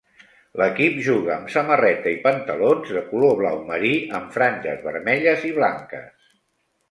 L'equip juga amb samarreta i pantalons de color blau marí amb franges vermelles i blanques.